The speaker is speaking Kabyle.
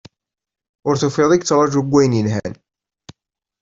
Ur tufiḍ i yettraju n wayen yelhan